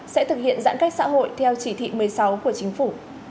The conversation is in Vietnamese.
sẽ thực hiện giãn cách xã hội theo chỉ thị một mươi sáu của chính phủ